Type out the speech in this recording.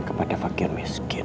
kepada fakir miskin